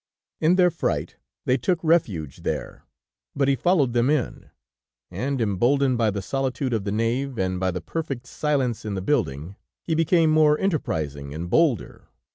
In their fright, they took refuge there, but he followed them in, and, emboldened by the solitude of the nave, and by the perfect silence in the building, he became more enterprising and bolder.